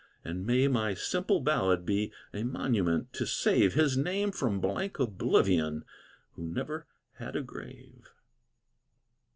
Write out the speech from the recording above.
And may my simple ballad be A monument to save His name from blank oblivion, Who never had a grave.